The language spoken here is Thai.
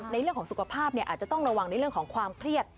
เรื่องของสุขภาพอาจจะต้องระวังในเรื่องของความเครียด